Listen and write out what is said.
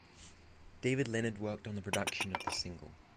David Leonard worked on the production of the single.